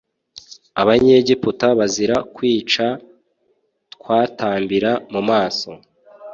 abanyegiputa bazira kwica twatambira mu maso